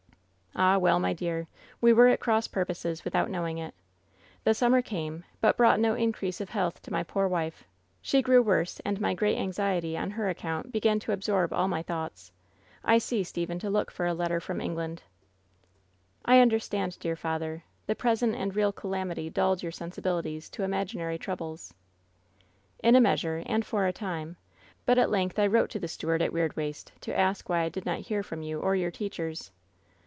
" ^Ah, well, my dear, we were at cross purposes with out knowing it. The summer came, but brought no in crease of health to my poor wife. She grew worse, and WHEN SHADOWS DIE 208 my great anxiety on her account began to absorb all my thoughts. I ceased even to look for a letter from England/ ^* *I understand, dear father ; the present and real calamity dulled your sensibilities to imaginary troubles.' " ^In a measure and for a time ; but at length I wrote to the steward at Weirdwaste to ask why I did not hear from you or your teachers.